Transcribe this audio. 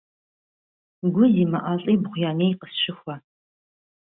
Гу зимыӀэ лӀибгъу я ней къысщыхуэ.